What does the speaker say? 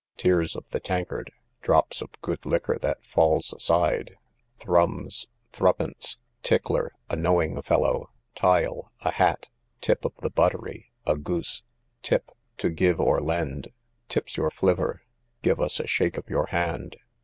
Tears of the tankard, drops of good liquor that falls aside. Thrums, threepence. Tickler, a knowing fellow. Tile, a hat. Tip of the buttery, a goose. Tip, to give or lend. Tip's your flipper, give us a shake of your hand.